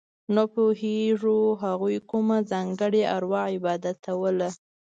نه پوهېږو هغوی کومه ځانګړې اروا عبادتوله.